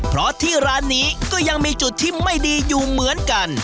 เพราะที่ร้านนี้ก็ยังมีจุดที่ไม่ดีอยู่เหมือนกัน